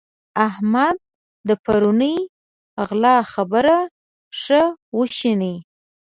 احمده! د پرونۍ غلا خبره ښه وشنئ.